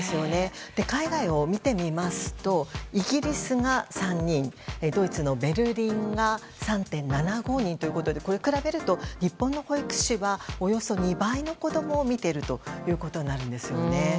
海外を見てみますとイギリスが３人ドイツのベルリンが３．７５人ということでこれに比べると日本の保育士はおよそ２倍の子供を見ているということなんですね。